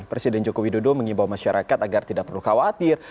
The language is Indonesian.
presiden joko widodo mengimbau masyarakat agar tidak perlu khawatir